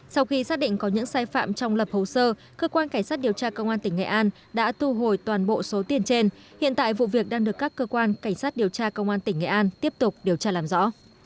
sau khi xác định có những sai phạm trong lập hồ sơ cơ quan cảnh sát điều tra công an tỉnh nghệ an đã thu hồi toàn bộ số tiền trên hiện tại vụ việc đang được các cơ quan cảnh sát điều tra công an tỉnh nghệ an tiếp tục điều tra làm rõ